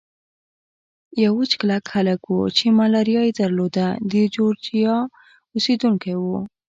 یو وچ کلک هلک وو چې ملاریا یې درلوده، د جورجیا اوسېدونکی و.